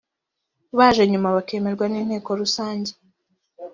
baje nyuma bakemerwa n’inteko rusange